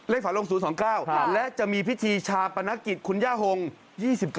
ฝาลง๐๒๙และจะมีพิธีชาปนกิจคุณย่าหงษ์๒๙